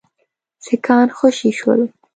سیکهان خوشي شول.